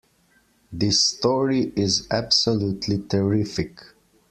This story is absolutely terrific!